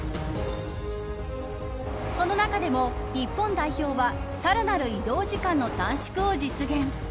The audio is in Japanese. その中でも日本代表はさらなる移動時間の短縮を実現。